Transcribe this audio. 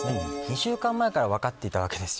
２週間前から分かっていたわけです。